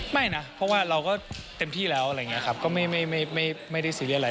ไม่นะเพราะว่าเราก็เต็มที่แล้วอะไรอย่างนี้ครับก็ไม่ได้ซีเรียสอะไร